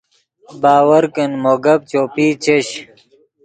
باور کن مو گپ چوپئی چش